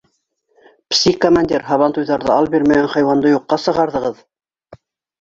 Пси командир! һабантуйҙарҙа ал бирмәгән хайуанды юҡҡа сығарҙығыҙ?